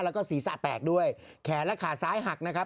แล้วก็ศีรษะแตกด้วยแขนและขาซ้ายหักนะครับ